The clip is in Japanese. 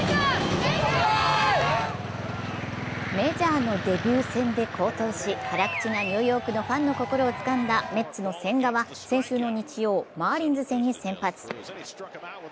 メジャーのデビュー戦で好投し、辛口なニューヨークのファンの心をつかんだメッツの千賀は先週の日曜、マーリンズ戦に先発。